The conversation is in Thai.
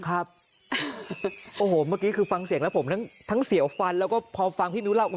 โอ้โหเมื่อกี้คือฟังเสียงแล้วผมทั้งเสียวฟันแล้วก็พอฟังพี่นุ้เล่า